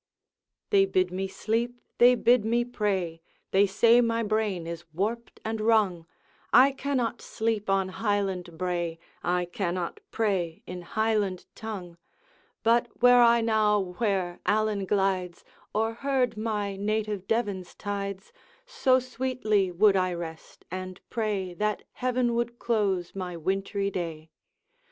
They bid me sleep, they bid me pray, They say my brain is warped and wrung I cannot sleep on Highland brae, I cannot pray in Highland tongue. But were I now where Allan glides, Or heard my native Devan's tides, So sweetly would I rest, and pray That Heaven would close my wintry day!